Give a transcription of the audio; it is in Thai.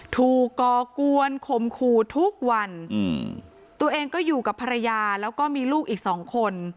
ถูกกควรคมคูทุกวันตัวเองก็อยู่กับภรรยาแล้วก็มีลูกอีกสองคน